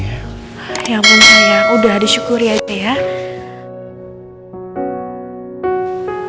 ya ampun saya udah disyukuri aja ya